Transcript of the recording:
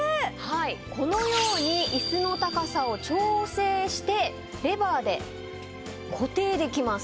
このように椅子の高さを調整してレバーで固定できます。